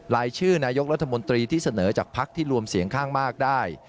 รายชื่อนายกรัฐมนตรีที่เสนอจากพักที่รวมเสียงข้างมากได้